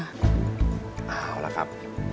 เอาล่ะครับ